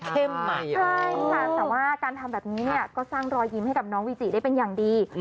ใช่ค่ะแต่ว่าการทำแบบนี้เนี่ยก็สร้างรอยยิ้มให้กับน้องวิจิได้เป็นอย่างดี